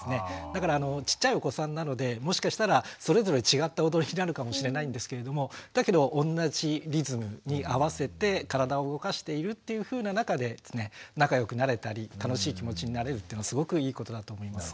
だからちっちゃいお子さんなのでもしかしたらそれぞれ違った踊りになるかもしれないんですけれどもだけどおんなじリズムに合わせて体を動かしているというふうな中で仲良くなれたり楽しい気持ちになれるというのはすごくいいことだと思います。